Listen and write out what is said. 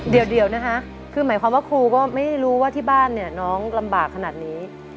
เดี๋ยวนะคะคือหมายความว่าครูก็ไม่รู้ว่าที่บ้านเนี่ยน้องลำบากขนาดนี้